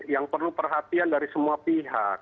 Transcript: yang perlu perhatian dari semua pihak